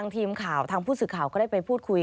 ทางพูดสื่อข่าวก็ได้ไปพูดคุย